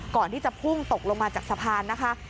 ก่อนที่จะพุ่งตกลงมาจากสะพานนะคะ